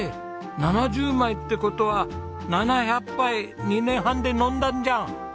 ７０枚って事は７００杯２年半で飲んだんじゃん！